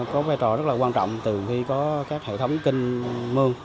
có vai trò rất là quan trọng từ khi có các hệ thống kinh mương